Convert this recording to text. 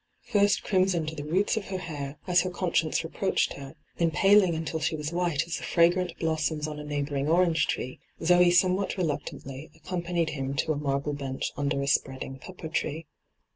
First crimson to the roots of her hair, as her conscience reproached her, then paling until she was white as the fr^rant blossoms on a neighbouring orange tree, Zoe somewhat reluctantly accompanied him to a marble bench under a spreading pepper tree.